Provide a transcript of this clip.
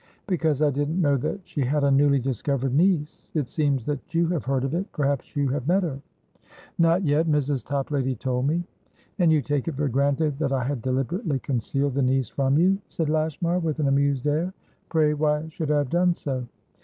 "Because I didn't know that she had a newly discovered niece. It seems that you have heard of it. Perhaps you have met her?" "Not yet; Mrs. Toplady told me." "And you take it for granted that I had deliberately concealed the niece from you?" said Lashmar, with an amused air. "Pray, why should I have done so?"